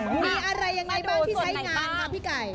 มีอะไรยังไงบ้างที่ใช้งานค่ะพี่ไก่